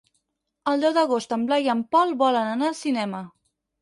El deu d'agost en Blai i en Pol volen anar al cinema.